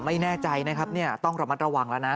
ไม่แน่ใจนะครับเนี่ยต้องระมัดระวังแล้วนะ